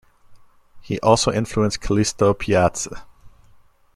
He also influenced Callisto Piazza.